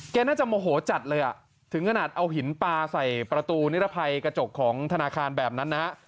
น่าจะโมโหจัดเลยอ่ะถึงขนาดเอาหินปลาใส่ประตูนิรภัยกระจกของธนาคารแบบนั้นนะฮะ